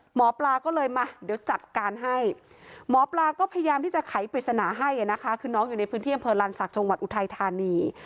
หมอปลาก็เลยมาเดี๋ยวจัดการให้หมอปลาก็พยายามที่จะไขปริศนาให้นะคะคือน้องอยู่ในพื้นที่อำเภอลานศักดิ์จังหวัดอุทัยธานี